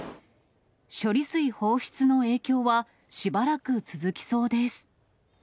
処理水放出の影響は、しばらく続きそうです。